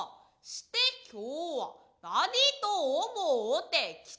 して今日は何と思うて来た。